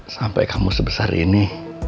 sampai kamu sebesar ini